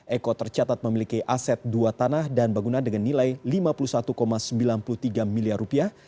eko tercatat memiliki aset dua tanah dan bangunan dengan nilai lima puluh satu sembilan puluh tiga miliar rupiah